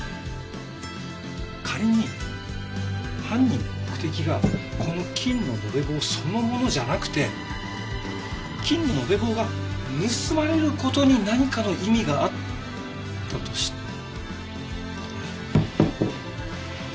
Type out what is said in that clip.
仮に犯人の目的がこの金の延べ棒そのものじゃなくて金の延べ棒が盗まれる事に何かの意味があったとしたら。